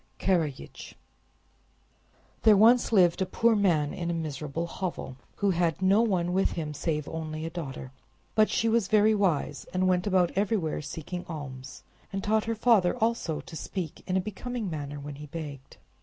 Karajich There once lived a poor man in a miserable hovel, who had no one with him save an only daughter. But she was very wise, and went about everywhere seeking alms, and taught her father also to speak in a becoming manner when he begged.